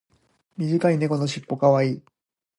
短い猫のしっぽ可愛い。